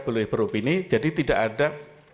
boleh beropini jadi tidak ada